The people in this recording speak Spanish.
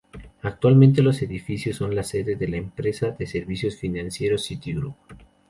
Actualmente, los dos edificios son la sede de la empresa de servicios financieros Citigroup.